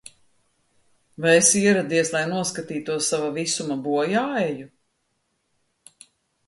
Vai esi ieradies, lai noskatītos sava visuma bojāeju?